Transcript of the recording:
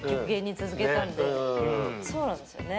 そうなんですよね。